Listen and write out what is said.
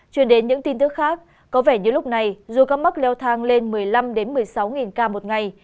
truyền đến những tin tức khác có vẻ như lúc này dù các mắc leo thang lên một mươi năm một mươi sáu ca một ngày